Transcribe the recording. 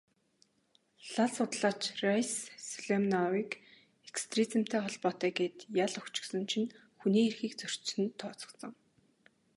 Лал судлаач Райс Сулеймановыг экстремизмтэй холбоотой гээд ял өгчихсөн чинь хүний эрхийг зөрчсөнд тооцогдсон.